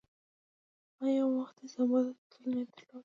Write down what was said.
هغه یو وخت استانبول ته د تللو نیت درلود.